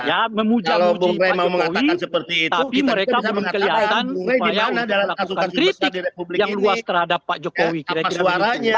kalau bung rey mau mengatakan seperti itu kita bisa mengatakan bung rey di mana dalam kasus besar di republik ini apa suaranya gitu